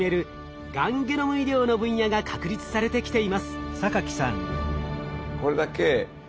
がんゲノム医療の分野が確立されてきています。